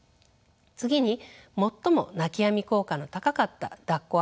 次に最も泣きやみ効果の高かっただっこ